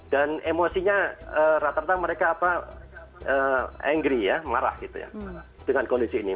dan emosinya rata rata mereka marah dengan kondisi ini